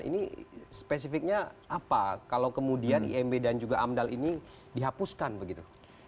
ini spesifiknya apa kalau kemudian imb dan juga amdal ini dihapuskan begitu